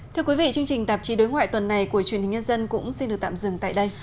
thưa quý vị chương trình tạp chí đối ngoại tuần này của truyền hình nhân dân cũng xin được tạm dừng tại đây